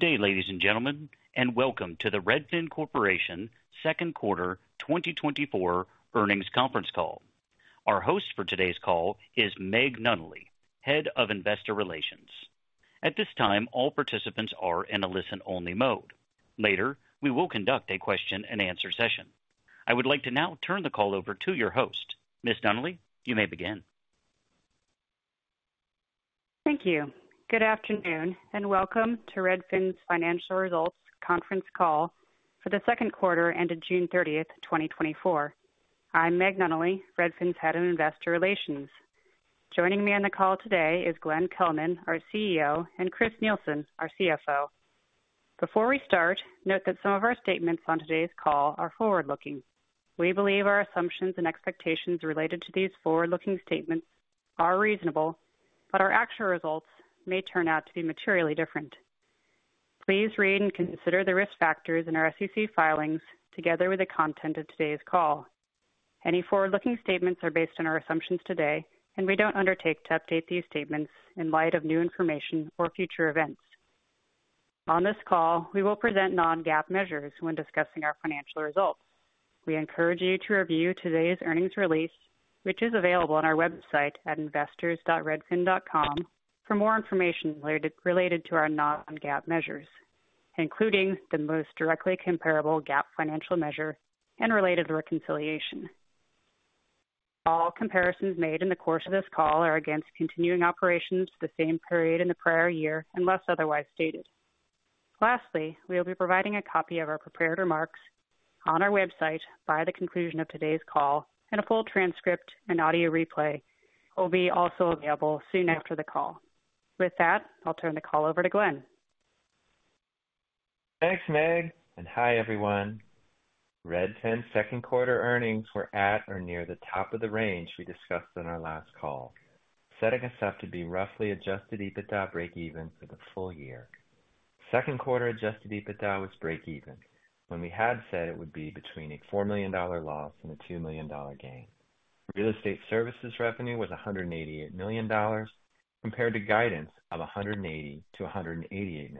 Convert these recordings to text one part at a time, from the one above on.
Good day, ladies and gentlemen, and welcome to the Redfin Corporation Second Quarter 2024 Earnings Conference Call. Our host for today's call is Meg Nunnally, Head of Investor Relations. At this time, all participants are in a listen-only mode. Later, we will conduct a question-and-answer session. I would like to now turn the call over to your host. Ms. Nunnally, you may begin. Thank you. Good afternoon, and welcome to Redfin's Financial Results conference call for the second quarter ended June 30, 2024. I'm Meg Nunnally, Redfin's Head of Investor Relations. Joining me on the call today is Glenn Kelman, our CEO, and Chris Nielsen, our CFO. Before we start, note that some of our statements on today's call are forward-looking. We believe our assumptions and expectations related to these forward-looking statements are reasonable, but our actual results may turn out to be materially different. Please read and consider the risk factors in our SEC filings, together with the content of today's call. Any forward-looking statements are based on our assumptions today, and we don't undertake to update these statements in light of new information or future events. On this call, we will present non-GAAP measures when discussing our financial results. We encourage you to review today's earnings release, which is available on our website at investors.redfin.com, for more information related to our non-GAAP measures, including the most directly comparable GAAP financial measure and related reconciliation. All comparisons made in the course of this call are against continuing operations, the same period in the prior year, unless otherwise stated. Lastly, we'll be providing a copy of our prepared remarks on our website by the conclusion of today's call, and a full transcript and audio replay will be also available soon after the call. With that, I'll turn the call over to Glenn. Thanks, Meg, and hi, everyone. Redfin's second quarter earnings were at or near the top of the range we discussed on our last call, setting us up to be roughly Adjusted EBITDA breakeven for the full year. Second quarter Adjusted EBITDA was breakeven, when we had said it would be between a $4 million loss and a $2 million gain. Real estate services revenue was $188 million, compared to guidance of $180 million-$188 million.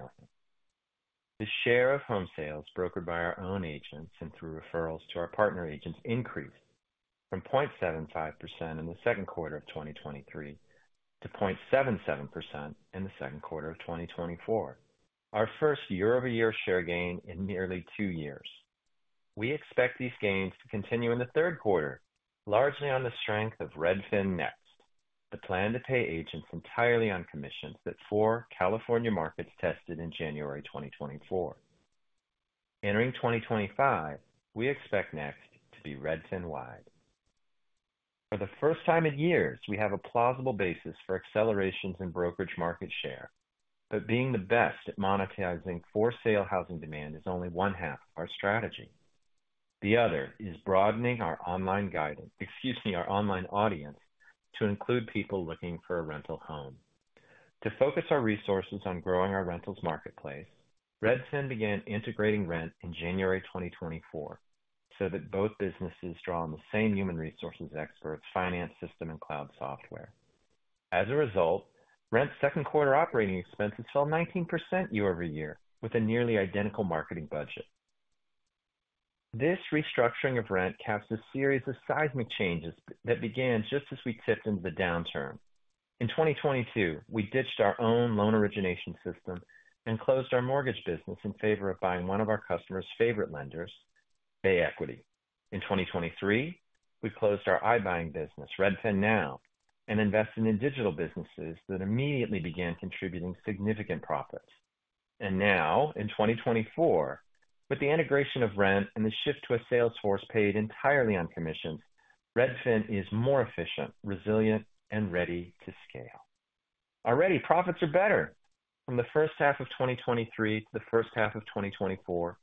The share of home sales brokered by our own agents and through referrals to our partner agents increased from 0.75% in the second quarter of 2023 to 0.77% in the second quarter of 2024, our first year-over-year share gain in nearly two years. We expect these gains to continue in the third quarter, largely on the strength of Redfin Next, the plan to pay agents entirely on commissions that four California markets tested in January 2024. Entering 2025, we expect Next to be Redfin-wide. For the first time in years, we have a plausible basis for accelerations in brokerage market share, but being the best at monetizing for-sale housing demand is only one half of our strategy. The other is broadening our online guidance... excuse me, our online audience, to include people looking for a rental home. To focus our resources on growing our rentals marketplace, Redfin began integrating Rent in January 2024, so that both businesses draw on the same human resources experts, finance system and cloud software. As a result, Rent second quarter operating expenses fell 19% year-over-year with a nearly identical marketing budget. This restructuring of Rent caps a series of seismic changes that began just as we tipped into the downturn. In 2022, we ditched our own loan origination system and closed our mortgage business in favor of buying one of our customer's favorite lenders, Bay Equity. In 2023, we closed our iBuying business, RedfinNow, and invested in digital businesses that immediately began contributing significant profits. And now, in 2024, with the integration of Rent and the shift to a sales force paid entirely on commissions, Redfin is more efficient, resilient, and ready to scale. Already, profits are better. From the first half of 2023 to the first half of 2024,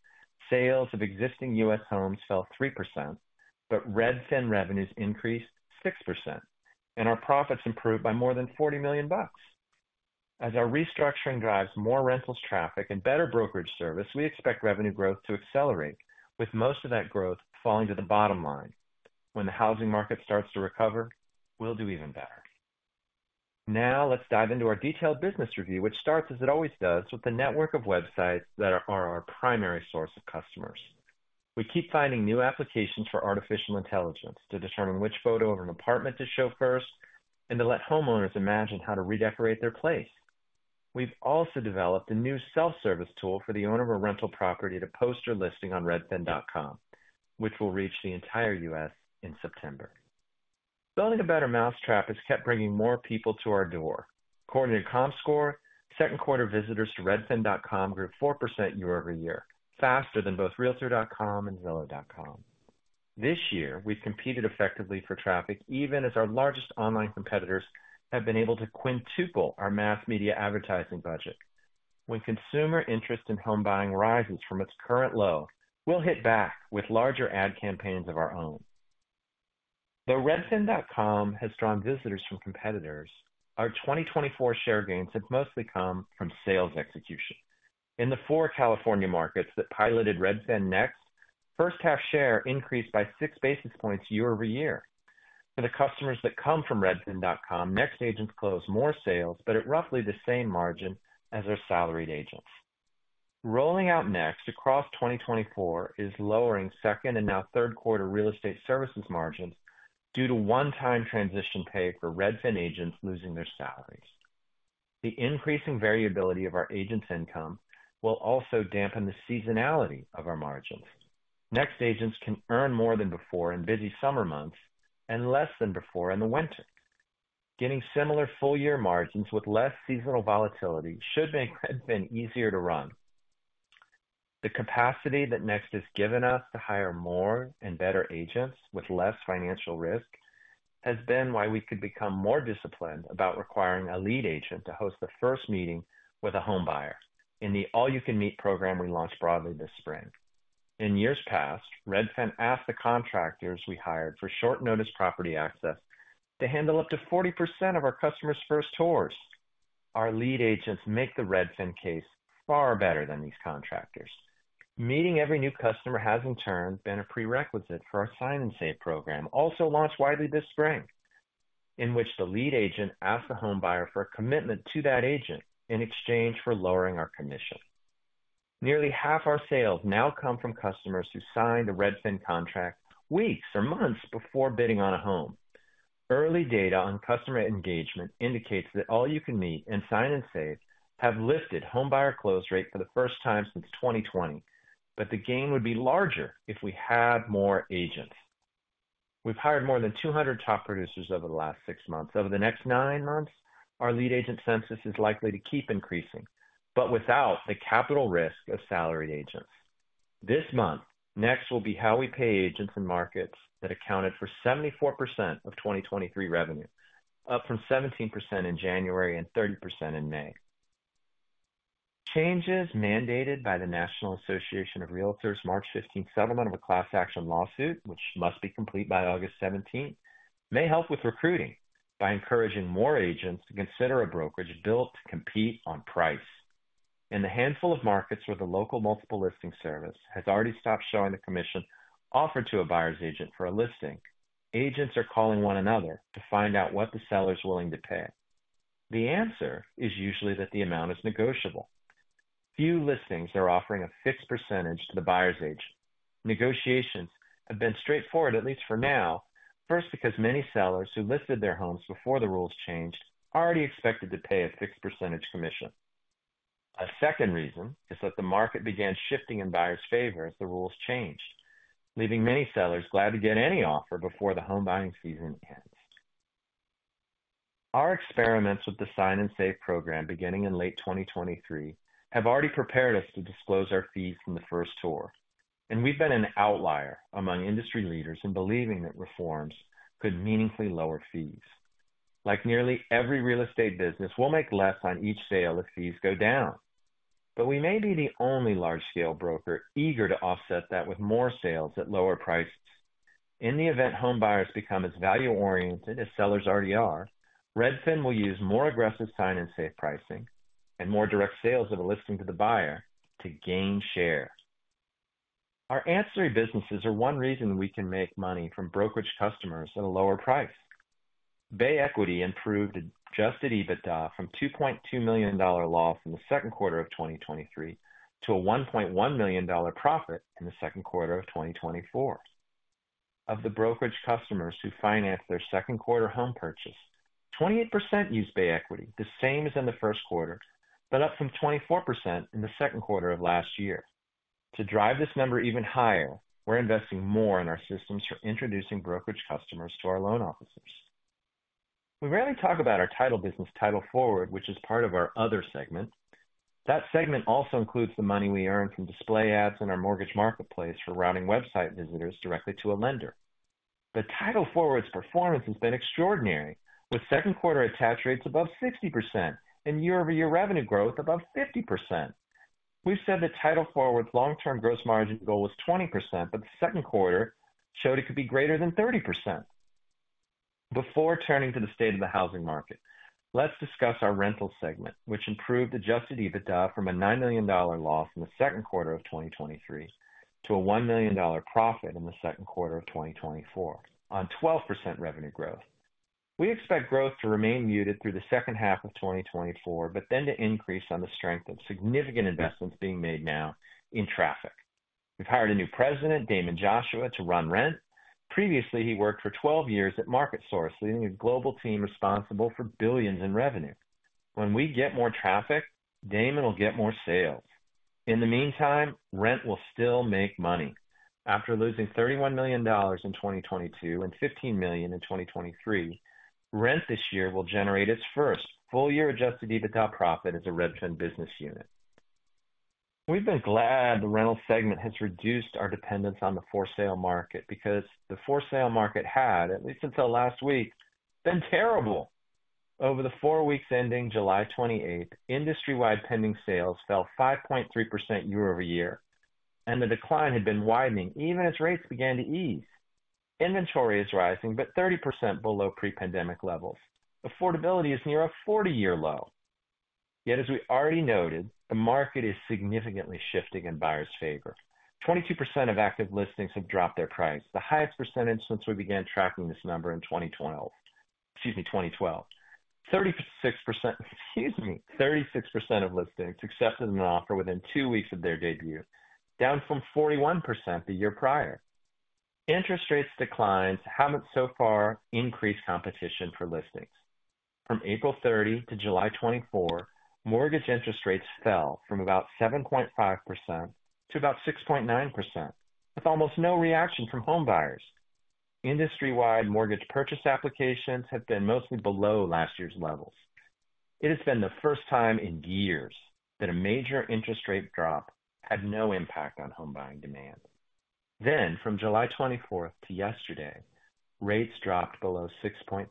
sales of existing U.S. homes fell 3%, but Redfin revenues increased 6%, and our profits improved by more than $40 million bucks. As our restructuring drives more rentals traffic and better brokerage service, we expect revenue growth to accelerate, with most of that growth falling to the bottom line. When the housing market starts to recover, we'll do even better. Now, let's dive into our detailed business review, which starts, as it always does, with the network of websites that are our primary source of customers. We keep finding new applications for artificial intelligence to determine which photo of an apartment to show first and to let homeowners imagine how to redecorate their place. We've also developed a new self-service tool for the owner of a rental property to post your listing on Redfin.com, which will reach the entire U.S. in September. Building a better mousetrap has kept bringing more people to our door. According to Comscore, second quarter visitors to Redfin.com grew 4% year-over-year, faster than both Realtor.com and Zillow.com. This year, we've competed effectively for traffic, even as our largest online competitors have been able to quintuple our mass media advertising budget. When consumer interest in home buying rises from its current low, we'll hit back with larger ad campaigns of our own. Though Redfin.com has drawn visitors from competitors, our 2024 share gains have mostly come from sales execution. In the four California markets that piloted Redfin Next, first half share increased by six basis points year-over-year. For the customers that come from Redfin.com, Next agents close more sales, but at roughly the same margin as their salaried agents. Rolling out Next across 2024 is lowering second and now third quarter real estate services margins due to one-time transition pay for Redfin agents losing their salaries. The increasing variability of our agents' income will also dampen the seasonality of our margins. Next agents can earn more than before in busy summer months and less than before in the winter. Getting similar full-year margins with less seasonal volatility should make Redfin easier to run. The capacity that Next has given us to hire more and better agents with less financial risk, has been why we could become more disciplined about requiring a lead agent to host the first meeting with a home buyer in the All-You-Can-Meet program we launched broadly this spring. In years past, Redfin asked the contractors we hired for short-notice property access to handle up to 40% of our customers' first tours. Our lead agents make the Redfin case far better than these contractors. Meeting every new customer has, in turn, been a prerequisite for our Sign & Save program, also launched widely this spring, in which the lead agent asks the home buyer for a commitment to that agent in exchange for lowering our commission. Nearly half our sales now come from customers who sign the Redfin contract weeks or months before bidding on a home. Early data on customer engagement indicates that All-You-Can-Meet and Sign & Save have lifted home buyer close rate for the first time since 2020, but the gain would be larger if we had more agents. We've hired more than 200 top producers over the last 6 months. Over the next 9 months, our lead agent census is likely to keep increasing, but without the capital risk of salaried agents. This month, Next will be how we pay agents in markets that accounted for 74% of 2023 revenue, up from 17% in January and 30% in May. Changes mandated by the National Association of Realtors March 15th settlement of a class action lawsuit, which must be complete by August 17th, may help with recruiting by encouraging more agents to consider a brokerage built to compete on price. In the handful of markets where the local Multiple Listing Service has already stopped showing the commission offered to a buyer's agent for a listing, agents are calling one another to find out what the seller is willing to pay. The answer is usually that the amount is negotiable. Few listings are offering a fixed percentage to the buyer's agent. Negotiations have been straightforward, at least for now, first, because many sellers who listed their homes before the rules changed already expected to pay a fixed percentage commission. A second reason is that the market began shifting in buyers' favor as the rules changed, leaving many sellers glad to get any offer before the home buying season ends. Our experiments with the Sign & Save program, beginning in late 2023, have already prepared us to disclose our fees from the first tour, and we've been an outlier among industry leaders in believing that reforms could meaningfully lower fees. Like nearly every real estate business, we'll make less on each sale if fees go down, but we may be the only large-scale broker eager to offset that with more sales at lower prices. In the event home buyers become as value-oriented as sellers already are, Redfin will use more aggressive Sign & Save pricing and more direct sales of a listing to the buyer to gain share. Our ancillary businesses are one reason we can make money from brokerage customers at a lower price. Bay Equity improved Adjusted EBITDA from $2.2 million dollar loss in the second quarter of 2023 to a $1.1 million dollar profit in the second quarter of 2024. Of the brokerage customers who financed their second quarter home purchase, 28% used Bay Equity, the same as in the first quarter, but up from 24% in the second quarter of last year. To drive this number even higher, we're investing more in our systems for introducing brokerage customers to our loan officers. We rarely talk about our title business, Title Forward, which is part of our other segment. That segment also includes the money we earn from display ads in our mortgage marketplace for routing website visitors directly to a lender. But Title Forward's performance has been extraordinary, with second quarter attach rates above 60% and year-over-year revenue growth above 50%. We've said that Title Forward's long-term gross margin goal was 20%, but the second quarter showed it could be greater than 30%. Before turning to the state of the housing market, let's discuss our rental segment, which improved Adjusted EBITDA from a $9 million loss in the second quarter of 2023 to a $1 million profit in the second quarter of 2024 on 12% revenue growth. We expect growth to remain muted through the second half of 2024, but then to increase on the strength of significant investments being made now in traffic. We've hired a new president, Damon Joshua, to run Rent. Previously, he worked for 12 years at MarketSource, leading a global team responsible for billions in revenue. When we get more traffic, Damon will get more sales. In the meantime, Rent will still make money. After losing $31 million in 2022 and $15 million in 2023, Rent this year will generate its first full-year adjusted EBITDA profit as a Redfin business unit. We've been glad the rental segment has reduced our dependence on the for-sale market, because the for-sale market had, at least until last week, been terrible. Over the 4 weeks ending July 28th, industry-wide pending sales fell 5.3% year over year, and the decline had been widening even as rates began to ease. Inventory is rising, but 30% below pre-pandemic levels. Affordability is near a 40-year low... Yet, as we already noted, the market is significantly shifting in buyers' favor. 22% of active listings have dropped their price, the highest percentage since we began tracking this number in 2012. Excuse me, 2012. 36%, excuse me, 36% of listings accepted an offer within 2 weeks of their debut, down from 41% the year prior. Interest rates declines haven't so far increased competition for listings. From April 30 to July 24, mortgage interest rates fell from about 7.5% to about 6.9%, with almost no reaction from home buyers. Industry-wide mortgage purchase applications have been mostly below last year's levels. It has been the first time in years that a major interest rate drop had no impact on home buying demand. Then, from July 24th to yesterday, rates dropped below 6.35%.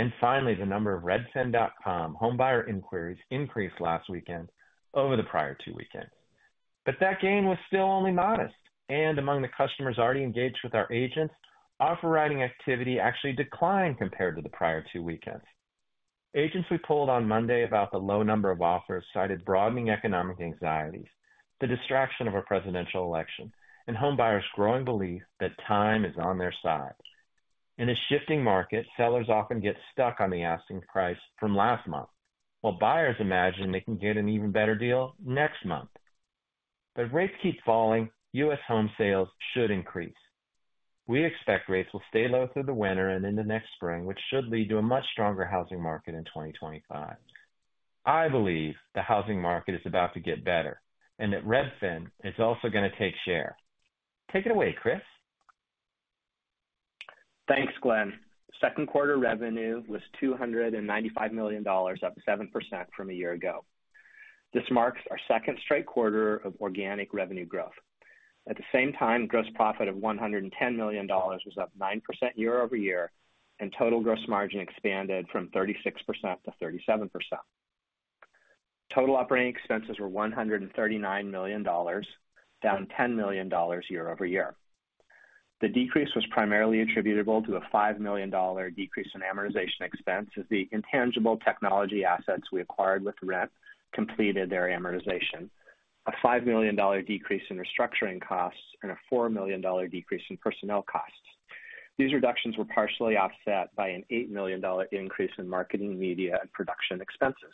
And finally, the number of Redfin.com home buyer inquiries increased last weekend over the prior two weekends. But that gain was still only modest, and among the customers already engaged with our agents, offer-writing activity actually declined compared to the prior two weekends. Agents we polled on Monday about the low number of offers cited broadening economic anxieties, the distraction of a presidential election, and home buyers' growing belief that time is on their side. In a shifting market, sellers often get stuck on the asking price from last month, while buyers imagine they can get an even better deal next month. But if rates keep falling, U.S. home sales should increase. We expect rates will stay low through the winter and into next spring, which should lead to a much stronger housing market in 2025. I believe the housing market is about to get better and that Redfin is also gonna take share. Take it away, Chris. Thanks, Glenn. Second quarter revenue was $295 million, up 7% from a year ago. This marks our second straight quarter of organic revenue growth. At the same time, gross profit of $110 million was up 9% year-over-year, and total gross margin expanded from 36% to 37%. Total operating expenses were $139 million, down $10 million year-over-year. The decrease was primarily attributable to a $5 million decrease in amortization expense, as the intangible technology assets we acquired with Rent completed their amortization, a $5 million decrease in restructuring costs, and a $4 million decrease in personnel costs. These reductions were partially offset by an $8 million increase in marketing, media, and production expenses.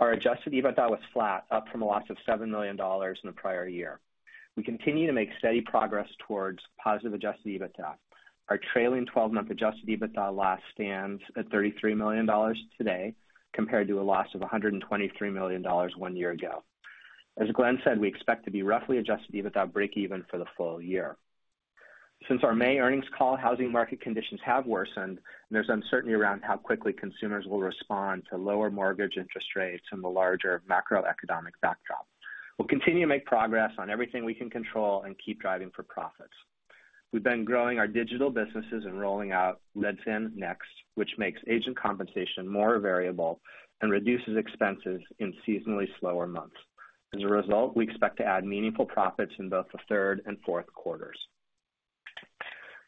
Our adjusted EBITDA was flat, up from a loss of $7 million in the prior year. We continue to make steady progress towards positive adjusted EBITDA. Our trailing 12-month adjusted EBITDA loss stands at $33 million today, compared to a loss of $123 million one year ago. As Glenn said, we expect to be roughly adjusted EBITDA breakeven for the full year. Since our May earnings call, housing market conditions have worsened, and there's uncertainty around how quickly consumers will respond to lower mortgage interest rates and the larger macroeconomic backdrop. We'll continue to make progress on everything we can control and keep driving for profits. We've been growing our digital businesses and rolling out Redfin Next, which makes agent compensation more variable and reduces expenses in seasonally slower months. As a result, we expect to add meaningful profits in both the third and fourth quarters.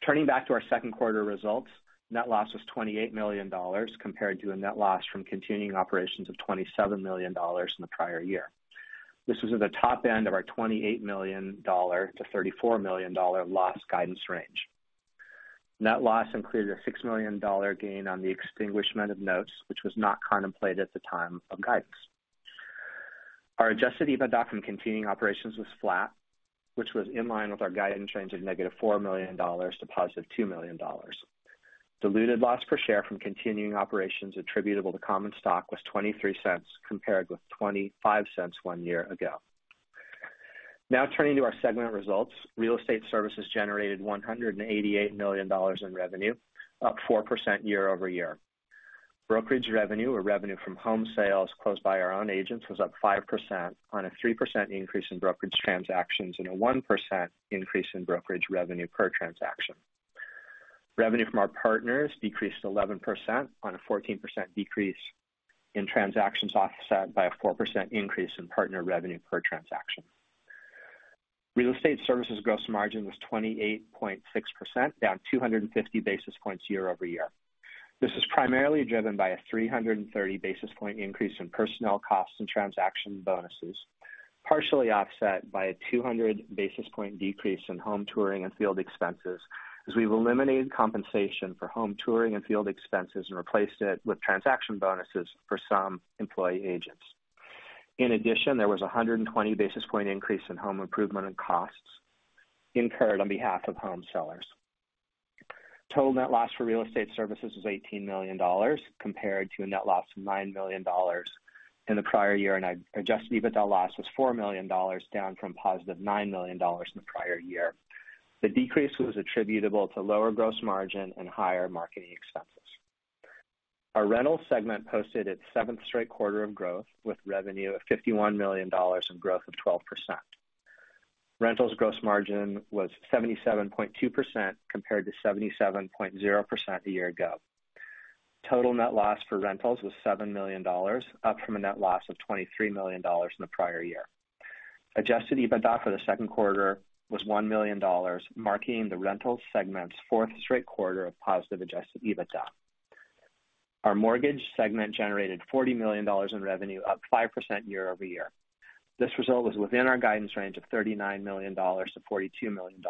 Turning back to our second quarter results, net loss was $28 million, compared to a net loss from continuing operations of $27 million in the prior year. This was at the top end of our $28 million-$34 million loss guidance range. Net loss included a $6 million gain on the extinguishment of notes, which was not contemplated at the time of guidance. Our Adjusted EBITDA from continuing operations was flat, which was in line with our guidance range of -$4 million to +$2 million. Diluted loss per share from continuing operations attributable to common stock was $0.23, compared with $0.25 one year ago. Now, turning to our segment results. Real estate services generated $188 million in revenue, up 4% year-over-year. Brokerage revenue, or revenue from home sales closed by our own agents, was up 5% on a 3% increase in brokerage transactions and a 1% increase in brokerage revenue per transaction. Revenue from our partners decreased 11% on a 14% decrease in transactions, offset by a 4% increase in partner revenue per transaction. Real estate services gross margin was 28.6%, down 250 basis points year-over-year. This is primarily driven by a 330 basis point increase in personnel costs and transaction bonuses, partially offset by a 200 basis point decrease in home touring and field expenses, as we've eliminated compensation for home touring and field expenses and replaced it with transaction bonuses for some employee agents. In addition, there was a 120 basis point increase in home improvement and costs incurred on behalf of home sellers. Total net loss for real estate services was $18 million, compared to a net loss of $9 million in the prior year, and Adjusted EBITDA loss was $4 million, down from positive $9 million in the prior year. The decrease was attributable to lower gross margin and higher marketing expenses. Our rental segment posted its seventh straight quarter of growth, with revenue of $51 million and growth of 12%. rentals gross margin was 77.2%, compared to 77.0% a year ago. Total net loss for rentals was $7 million, up from a net loss of $23 million in the prior year. Adjusted EBITDA for the second quarter was $1 million, marking the rental segment's fourth straight quarter of positive adjusted EBITDA. Our mortgage segment generated $40 million in revenue, up 5% year-over-year. This result was within our guidance range of $39 million-$42 million.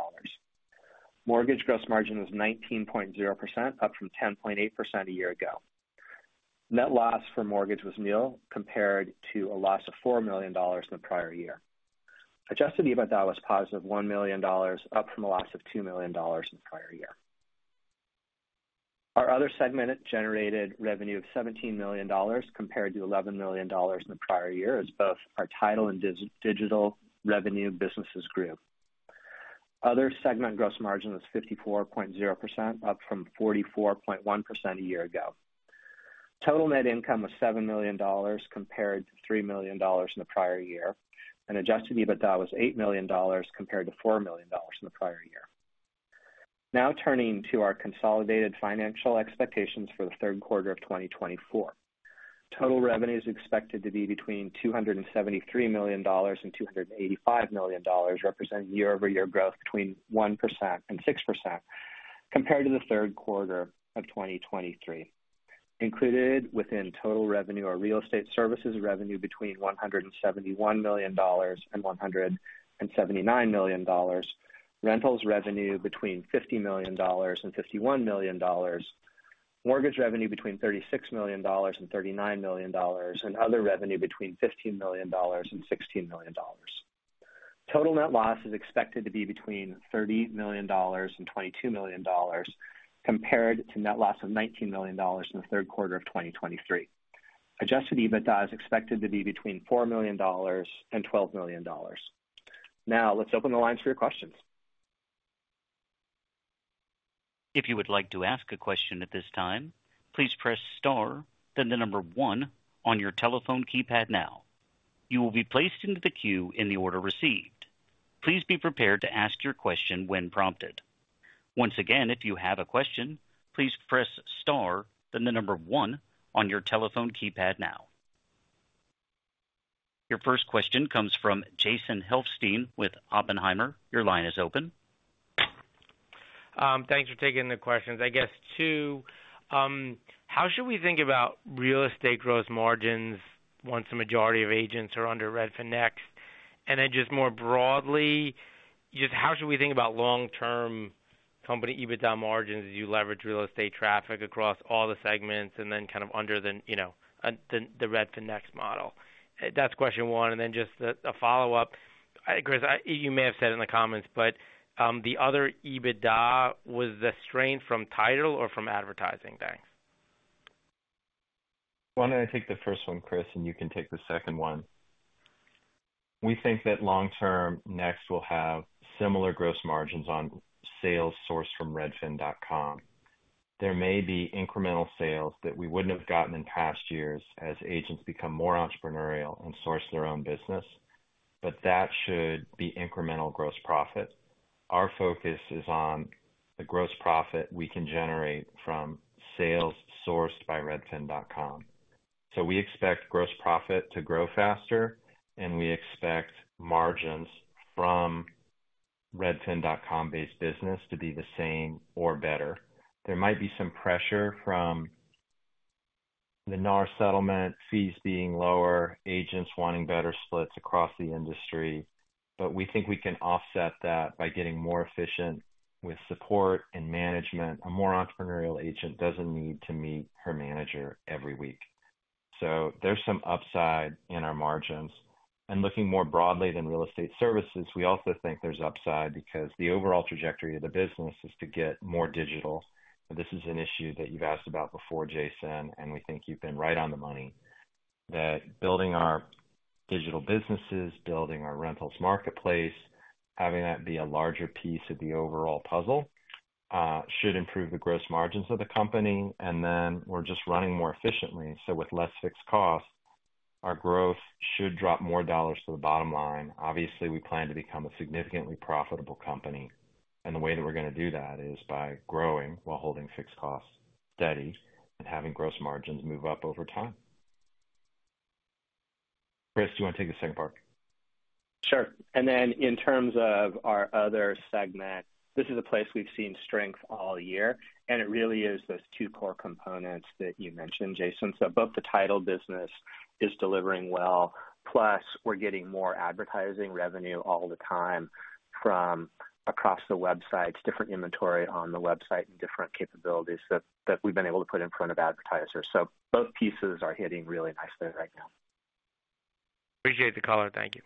Mortgage gross margin was 19.0%, up from 10.8% a year ago. Net loss for mortgage was nil, compared to a loss of $4 million in the prior year. Adjusted EBITDA was positive $1 million, up from a loss of $2 million in the prior year. Our other segment generated revenue of $17 million compared to $11 million in the prior year, as both our title and digital revenue businesses grew. Other segment gross margin was 54.0%, up from 44.1% a year ago. Total net income was $7 million, compared to $3 million in the prior year, and adjusted EBITDA was $8 million, compared to $4 million in the prior year. Now turning to our consolidated financial expectations for the third quarter of 2024. Total revenue is expected to be between $273 million and $285 million, representing year-over-year growth between 1% and 6% compared to the third quarter of 2023. Included within total revenue are real estate services revenue between $171 million and $179 million, rentals revenue between $50 million and $51 million, mortgage revenue between $36 million and $39 million, and other revenue between $15 million and $16 million. Total net loss is expected to be between $30 million and $22 million, compared to net loss of $19 million in the third quarter of 2023. Adjusted EBITDA is expected to be between $4 million and $12 million. Now, let's open the lines for your questions. If you would like to ask a question at this time, please press star, then the number one on your telephone keypad now. You will be placed into the queue in the order received. Please be prepared to ask your question when prompted. Once again, if you have a question, please press star, then the number one on your telephone keypad now. Your first question comes from Jason Helfstein with Oppenheimer. Your line is open. Thanks for taking the questions. I guess, two, how should we think about real estate gross margins once the majority of agents are under Redfin Next? And then just more broadly, just how should we think about long-term company EBITDA margins as you leverage real estate traffic across all the segments and then kind of under the, you know, the Redfin Next model? That's question one. And then just a follow-up. Chris, I... You may have said it in the comments, but, the other EBITDA, was the strain from title or from advertising? Thanks. Why don't I take the first one, Chris, and you can take the second one. We think that long term, Next will have similar gross margins on sales sourced from Redfin.com. There may be incremental sales that we wouldn't have gotten in past years as agents become more entrepreneurial and source their own business, but that should be incremental gross profit. Our focus is on the gross profit we can generate from sales sourced by Redfin.com. We expect gross profit to grow faster, and we expect margins from Redfin.com-based business to be the same or better. There might be some pressure from the NAR settlement, fees being lower, agents wanting better splits across the industry, but we think we can offset that by getting more efficient with support and management. A more entrepreneurial agent doesn't need to meet her manager every week. So there's some upside in our margins. Looking more broadly than real estate services, we also think there's upside because the overall trajectory of the business is to get more digital. This is an issue that you've asked about before, Jason, and we think you've been right on the money, that building our digital businesses, building our rentals marketplace, having that be a larger piece of the overall puzzle, should improve the gross margins of the company, and then we're just running more efficiently. So with less fixed costs, our growth should drop more dollars to the bottom line. Obviously, we plan to become a significantly profitable company, and the way that we're going to do that is by growing while holding fixed costs steady and having gross margins move up over time. Chris, do you want to take the second part? Sure. And then in terms of our other segment, this is a place we've seen strength all year, and it really is those two core components that you mentioned, Jason. So both the title business is delivering well, plus we're getting more advertising revenue all the time from across the websites, different inventory on the website, and different capabilities that we've been able to put in front of advertisers. So both pieces are hitting really nicely right now. Appreciate the call, and thank you.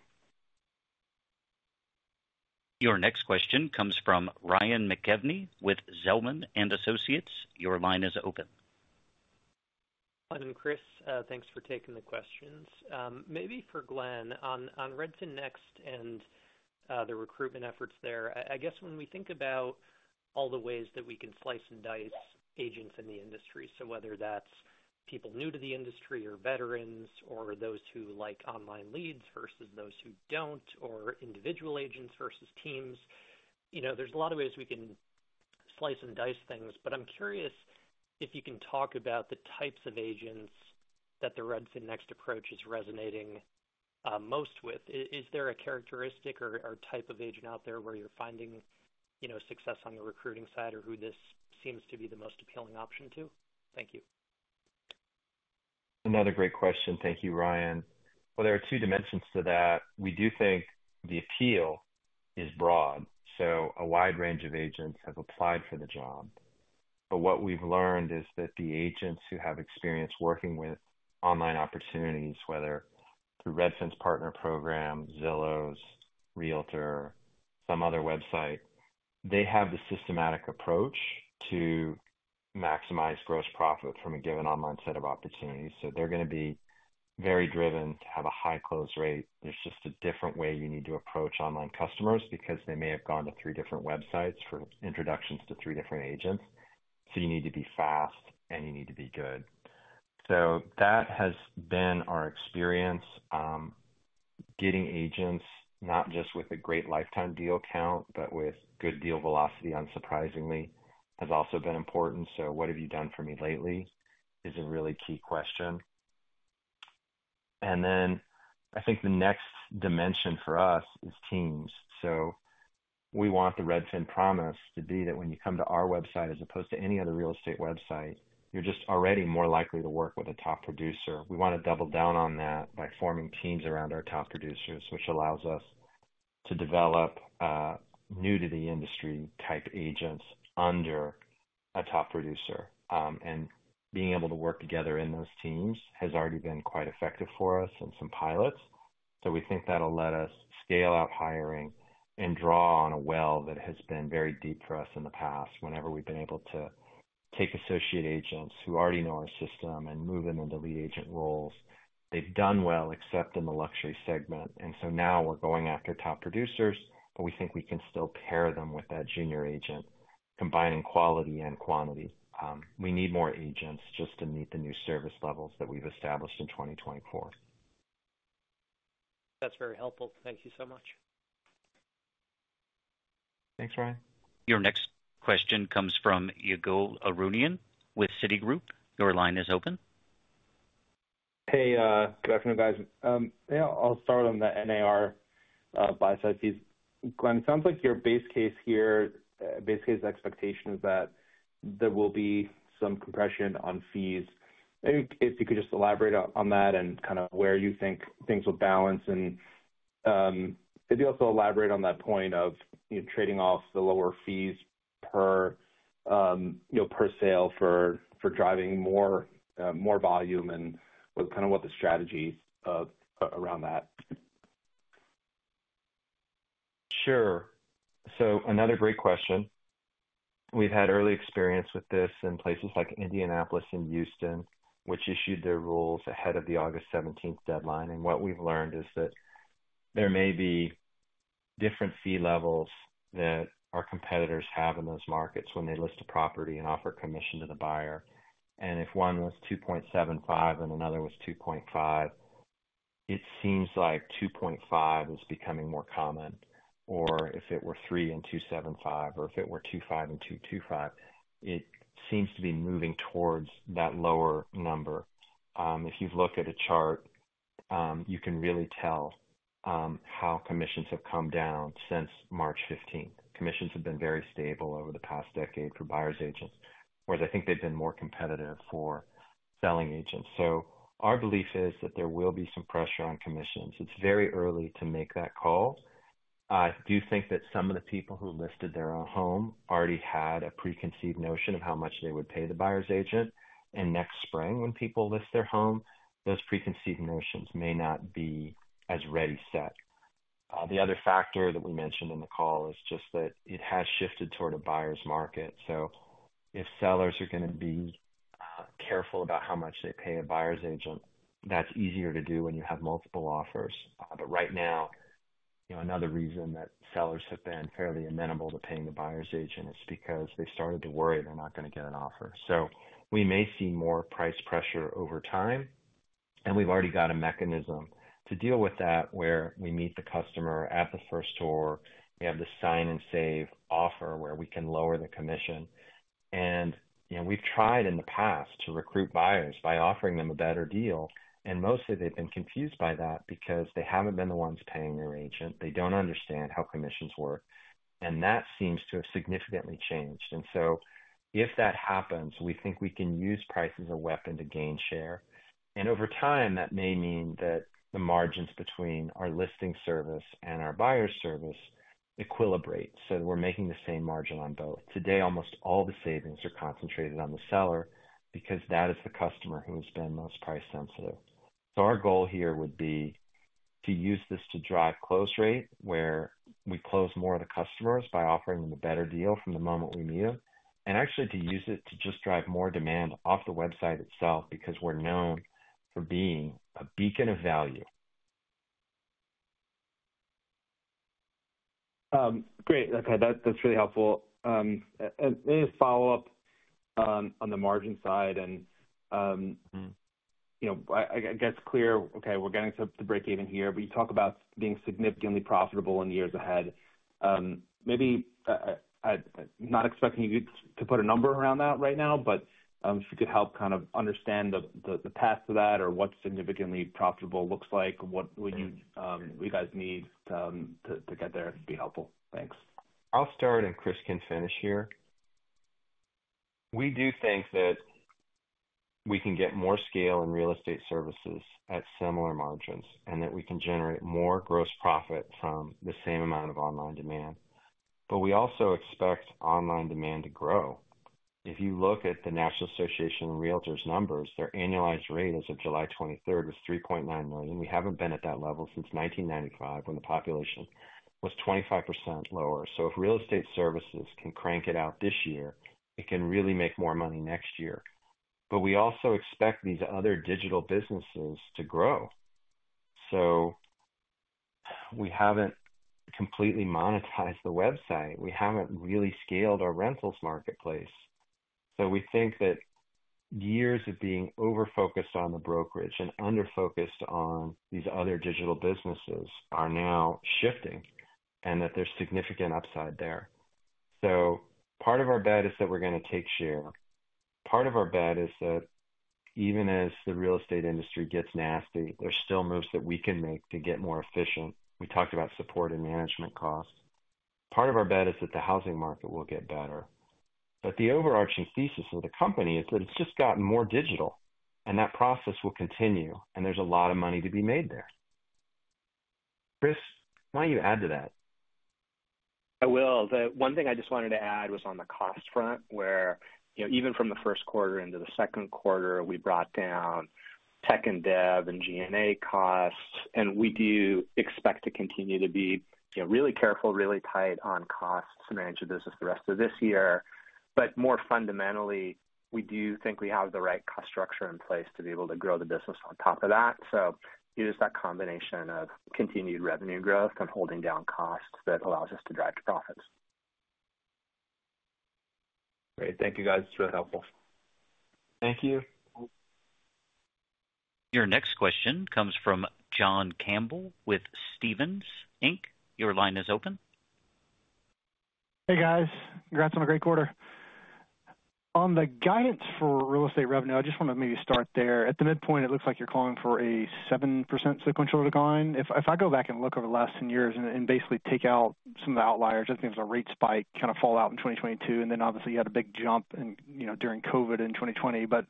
Your next question comes from Ryan McKeveny with Zelman & Associates. Your line is open. Hi, Chris, thanks for taking the questions. Maybe for Glenn, on Redfin Next and the recruitment efforts there. I guess when we think about all the ways that we can slice and dice agents in the industry, so whether that's people new to the industry or veterans, or those who like online leads versus those who don't, or individual agents versus teams, you know, there's a lot of ways we can slice and dice things, but I'm curious if you can talk about the types of agents that the Redfin Next approach is resonating most with. Is there a characteristic or type of agent out there where you're finding, you know, success on the recruiting side or who this seems to be the most appealing option to? Thank you. Another great question. Thank you, Ryan. Well, there are two dimensions to that. We do think the appeal is broad, so a wide range of agents have applied for the job. But what we've learned is that the agents who have experience working with online opportunities, whether through Redfin's partner program, Zillow, Realtor, some other website, they have the systematic approach to maximize gross profit from a given online set of opportunities. So they're going to be very driven to have a high close rate. There's just a different way you need to approach online customers because they may have gone to three different websites for introductions to three different agents. So you need to be fast, and you need to be good. So that has been our experience. Getting agents, not just with a great lifetime deal count, but with good deal velocity, unsurprisingly, has also been important. So what have you done for me lately is a really key question. And then I think the next dimension for us is teams. So we want the Redfin promise to be that when you come to our website, as opposed to any other real estate website, you're just already more likely to work with a top producer. We want to double down on that by forming teams around our top producers, which allows us to develop new to the industry-type agents under a top producer. And being able to work together in those teams has already been quite effective for us in some pilots. So we think that'll let us scale out hiring and draw on a well that has been very deep for us in the past. Whenever we've been able to take associate agents who already know our system and move them into lead agent roles, they've done well, except in the luxury segment. And so now we're going after top producers, but we think we can still pair them with that junior agent, combining quality and quantity. We need more agents just to meet the new service levels that we've established in 2024. That's very helpful. Thank you so much. Thanks, Ryan. Your next question comes from Ygal Arounian with Citigroup. Your line is open. Hey, good afternoon, guys. Yeah, I'll start on the NAR, buy-side fees. Glenn, it sounds like your base case here, base case expectation is that there will be some compression on fees. Maybe if you could just elaborate on, on that and kind of where you think things will balance, and, could you also elaborate on that point of, you know, trading off the lower fees per, you know, per sale for, for driving more, more volume and what- kind of what the strategy of, around that? Sure. So another great question. We've had early experience with this in places like Indianapolis and Houston, which issued their rules ahead of the August 17th deadline. What we've learned is that there may be different fee levels that our competitors have in those markets when they list a property and offer commission to the buyer. If one was 2.75 and another was 2.5, it seems like 2.5 is becoming more common, or if it were 3 and 2.75, or if it were 2.5 and 2.25, it seems to be moving towards that lower number. If you've looked at a chart, you can really tell how commissions have come down since March 15th. Commissions have been very stable over the past decade for buyer's agents, whereas I think they've been more competitive for selling agents. Our belief is that there will be some pressure on commissions. It's very early to make that call. I do think that some of the people who listed their own home already had a preconceived notion of how much they would pay the buyer's agent, and next spring, when people list their home, those preconceived notions may not be as ready, set. The other factor that we mentioned in the call is just that it has shifted toward a buyer's market. If sellers are going to be careful about how much they pay a buyer's agent, that's easier to do when you have multiple offers. But right now, you know, another reason that sellers have been fairly amenable to paying the buyer's agent is because they started to worry they're not going to get an offer. So we may see more price pressure over time, and we've already got a mechanism to deal with that, where we meet the customer at the first tour, we have the Sign & Save offer, where we can lower the commission. And, you know, we've tried in the past to recruit buyers by offering them a better deal, and mostly they've been confused by that because they haven't been the ones paying their agent. They don't understand how commissions work, and that seems to have significantly changed. And so if that happens, we think we can use price as a weapon to gain share. Over time, that may mean that the margins between our listing service and our buyer service equilibrate, so we're making the same margin on both. Today, almost all the savings are concentrated on the seller because that is the customer who has been most price sensitive. Our goal here would be to use this to drive close rate, where we close more of the customers by offering them a better deal from the moment we meet them, and actually to use it to just drive more demand off the website itself, because we're known for being a beacon of value. Great. Okay. That's really helpful. And maybe follow up on the margin side. And, you know, I guess, okay, we're getting to breakeven here, but you talk about being significantly profitable in the years ahead. Maybe, not expecting you to put a number around that right now, but, if you could help kind of understand the path to that or what significantly profitable looks like, what would you guys need to get there? It'd be helpful. Thanks. I'll start, and Chris can finish here. We do think that we can get more scale in real estate services at similar margins, and that we can generate more gross profit from the same amount of online demand. But we also expect online demand to grow. If you look at the National Association of Realtors numbers, their annualized rate as of July 23 is 3.9 million. We haven't been at that level since 1995, when the population was 25% lower. So if real estate services can crank it out this year, it can really make more money next year. But we also expect these other digital businesses to grow. So we haven't completely monetized the website. We haven't really scaled our rentals marketplace. So we think that years of being over-focused on the brokerage and under-focused on these other digital businesses are now shifting, and that there's significant upside there. So part of our bet is that we're going to take share. Part of our bet is that even as the real estate industry gets nasty, there's still moves that we can make to get more efficient. We talked about support and management costs. Part of our bet is that the housing market will get better. But the overarching thesis of the company is that it's just gotten more digital, and that process will continue, and there's a lot of money to be made there. Chris, why don't you add to that? I will. The one thing I just wanted to add was on the cost front, where, you know, even from the first quarter into the second quarter, we brought down tech and dev and G&A costs, and we do expect to continue to be, you know, really careful, really tight on costs to manage the business the rest of this year. But more fundamentally, we do think we have the right cost structure in place to be able to grow the business on top of that. So it is that combination of continued revenue growth and holding down costs that allows us to drive to profits. Great. Thank you, guys. It's really helpful. Thank you. Your next question comes from John Campbell with Stephens Inc. Your line is open. Hey, guys. Congrats on a great quarter. On the guidance for real estate revenue, I just want to maybe start there. At the midpoint, it looks like you're calling for a 7% sequential decline. If, if I go back and look over the last 10 years and, and basically take out some of the outliers, I think there's a rate spike kind of fall out in 2022, and then obviously you had a big jump in, you know, during COVID in 2020. But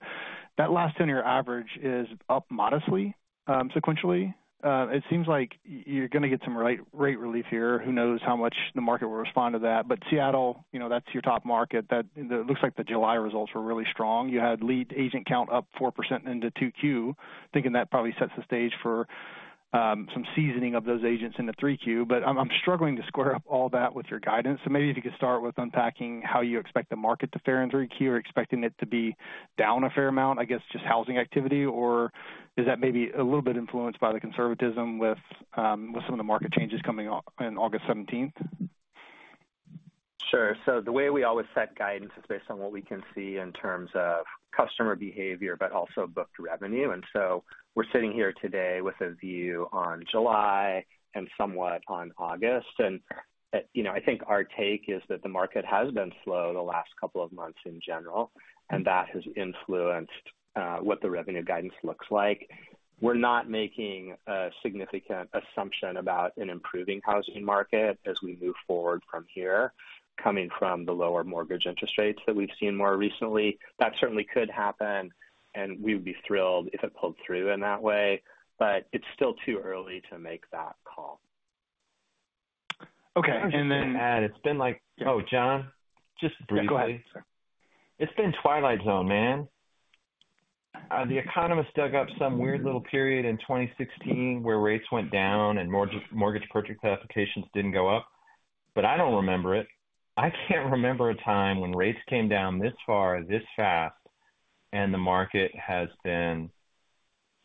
that last 10-year average is up modestly, sequentially. It seems like you're going to get some rate relief here. Who knows how much the market will respond to that? But Seattle, you know, that's your top market. That it looks like the July results were really strong. You had lead agent count up 4% into 2Q. Thinking that probably sets the stage for some seasoning of those agents into 3Q. But I'm struggling to square up all that with your guidance. So maybe if you could start with unpacking how you expect the market to fare in 3Q. Are you expecting it to be down a fair amount, I guess, just housing activity? Or is that maybe a little bit influenced by the conservatism with some of the market changes coming off in August 17th? Sure. So the way we always set guidance is based on what we can see in terms of customer behavior, but also booked revenue. And so we're sitting here today with a view on July and somewhat on August. And, you know, I think our take is that the market has been slow the last couple of months in general, and that has influenced what the revenue guidance looks like. We're not making a significant assumption about an improving housing market as we move forward from here, coming from the lower mortgage interest rates that we've seen more recently. That certainly could happen, and we would be thrilled if it pulled through in that way, but it's still too early to make that call. Okay, and then- It's been like... Oh, John, just briefly. Yeah, go ahead. It's been Twilight Zone, man. The economist dug up some weird little period in 2016 where rates went down and mortgage purchase applications didn't go up, but I don't remember it. I can't remember a time when rates came down this far, this fast, and the market has been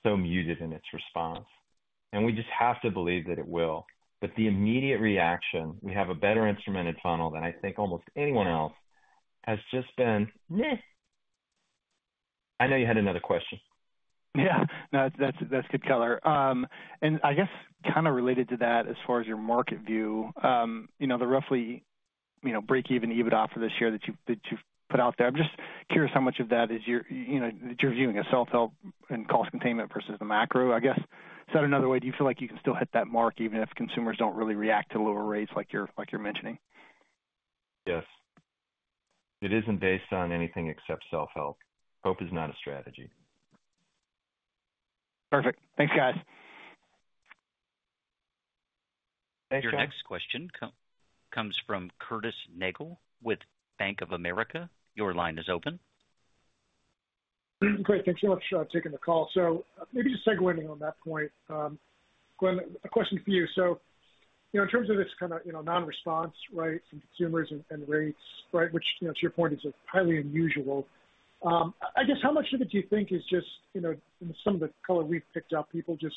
so muted in its response. And we just have to believe that it will. But the immediate reaction, we have a better instrumented funnel than I think almost anyone else, has just been, meh. I know you had another question. Yeah. No, that's, that's good color. And I guess kind of related to that, as far as your market view, you know, the roughly, you know, break even EBITDA for this year that you, that you've put out there, I'm just curious how much of that is your, you know, that you're viewing a self-help and cost containment versus the macro, I guess? Said another way, do you feel like you can still hit that mark, even if consumers don't really react to lower rates like you're, like you're mentioning? Yes. It isn't based on anything except self-help. Hope is not a strategy. Perfect. Thanks, guys. Thanks. Your next question comes from Curtis Nagle with Bank of America. Your line is open. Great. Thanks so much for taking the call. So maybe just segue on that point. Glenn, a question for you. So, you know, in terms of this kind of, you know, non-response, right, from consumers and, and rates, right? Which, you know, to your point, is highly unusual. I guess how much of it do you think is just, you know, some of the color we've picked up, people just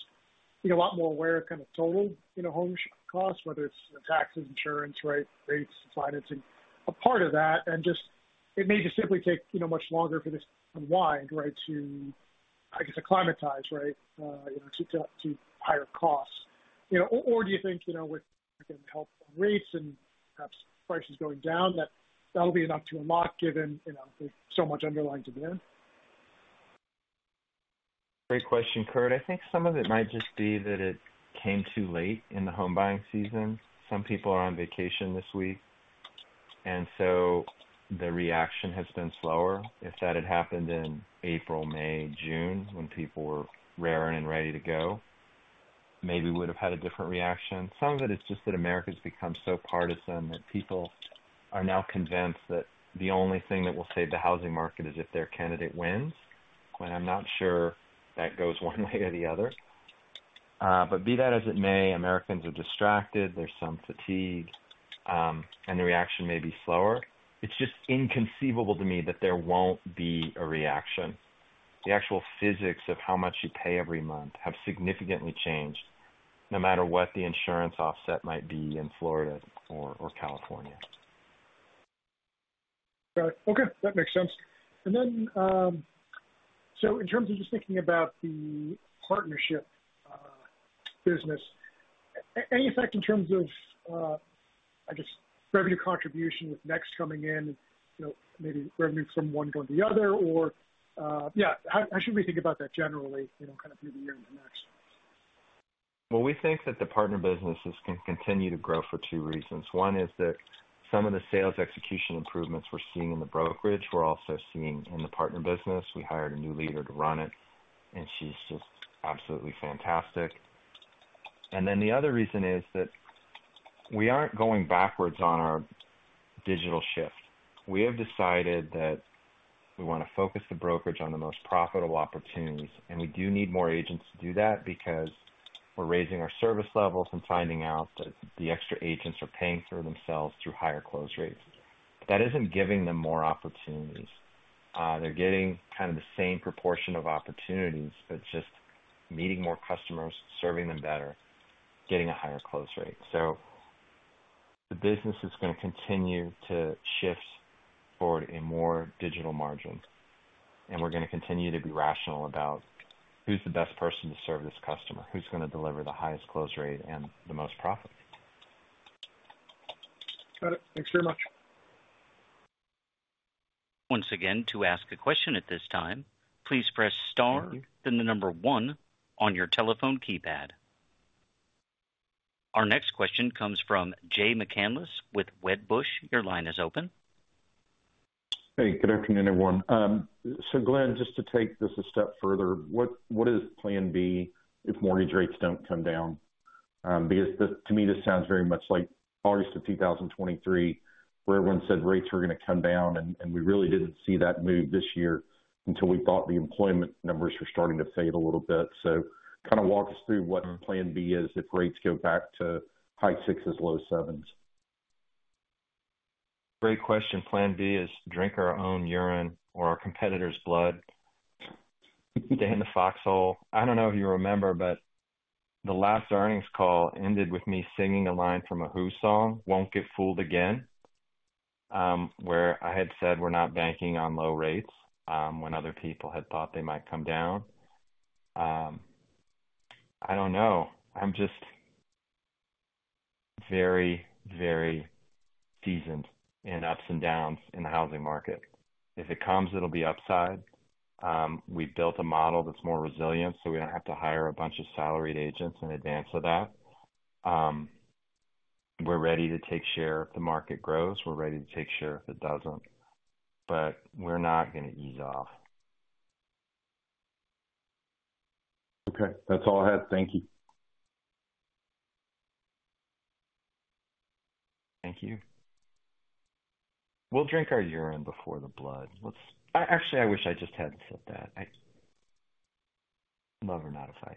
be a lot more aware of kind of total, you know, home costs, whether it's taxes, insurance, right? Rates, financing, a part of that. And just it may just simply take, you know, much longer for this to unwind, right, to, I guess, acclimatize, right, you know, to, to higher costs. You know, or do you think, you know, with high rates and perhaps prices going down, that that'll be enough to unlock, given, you know, there's so much underlying demand? Great question, Kurt. I think some of it might just be that it came too late in the home buying season. Some people are on vacation this week, and so the reaction has been slower. If that had happened in April, May, June, when people were raring and ready to go, maybe we would have had a different reaction. Some of it is just that America's become so partisan that people are now convinced that the only thing that will save the housing market is if their candidate wins. And I'm not sure that goes one way or the other. But be that as it may, Americans are distracted. There's some fatigue, and the reaction may be slower. It's just inconceivable to me that there won't be a reaction. The actual physics of how much you pay every month have significantly changed, no matter what the insurance offset might be in Florida or California. Got it. Okay, that makes sense. And then, so in terms of just thinking about the partnership business, any effect in terms of, I guess, revenue contribution with Next coming in and, you know, maybe revenue from one going to the other or... Yeah, how should we think about that generally, you know, kind of through the year and the next? Well, we think that the partner businesses can continue to grow for two reasons. One is that some of the sales execution improvements we're seeing in the brokerage, we're also seeing in the partner business. We hired a new leader to run it, and she's just absolutely fantastic. And then the other reason is that we aren't going backwards on our digital shift. We have decided that we want to focus the brokerage on the most profitable opportunities, and we do need more agents to do that, because we're raising our service levels and finding out that the extra agents are paying for themselves through higher close rates. That isn't giving them more opportunities. They're getting kind of the same proportion of opportunities, but just meeting more customers, serving them better, getting a higher close rate. So the business is going to continue to shift toward a more digital margin, and we're going to continue to be rational about who's the best person to serve this customer, who's going to deliver the highest close rate and the most profit. Got it. Thanks very much. Once again, to ask a question at this time, please press star, then the number one on your telephone keypad. Our next question comes from Jay McCanless with Wedbush. Your line is open. Hey, good afternoon, everyone. So Glenn, just to take this a step further, what is plan B if mortgage rates don't come down? Because to me, this sounds very much like August of 2023, where everyone said rates were going to come down, and we really didn't see that move this year until we thought the employment numbers were starting to fade a little bit. So kind of walk us through what plan B is if rates go back to high sixes, low sevens. Great question. Plan B is drink our own urine or our competitor's blood. Stay in the foxhole. I don't know if you remember, but the last earnings call ended with me singing a line from a Who song, Won't Get Fooled Again, where I had said, "We're not banking on low rates," when other people had thought they might come down. I don't know. I'm just very, very seasoned in ups and downs in the housing market. If it comes, it'll be upside. We've built a model that's more resilient, so we don't have to hire a bunch of salaried agents in advance of that. We're ready to take share if the market grows, we're ready to take share if it doesn't, but we're not going to ease off. Okay, that's all I had. Thank you. Thank you. We'll drink our urine before the blood. Let's—I actually, I wish I just hadn't said that. I... lover, not a fighter.